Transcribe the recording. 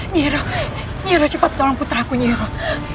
nyi iroh nyi iroh cepat tolong putri aku nyi iroh